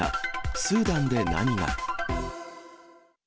スーダンで何が？